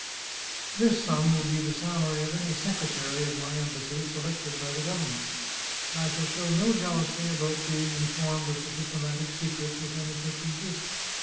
This sum will be the salary of any secretary of my embassy selected by the government. I shall show no jealousy about being in formed as to diplomatic secrets, if any such exist.